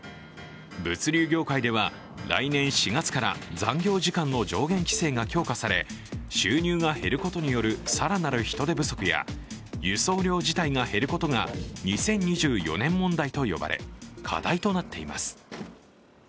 物流業界では、来年４月から残業時間の上限規制が強化され収入が減ることによるさらなる人手不足や輸送量自体が減ることが２０２４年問題と呼ばれ課題となっています。